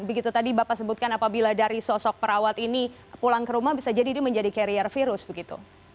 begitu tadi bapak sebutkan apabila dari sosok perawat ini pulang ke rumah bisa jadi dia menjadi carrier virus begitu